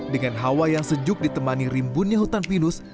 dengan hawa yang sejuk ditemani rimbunnya hutan pinus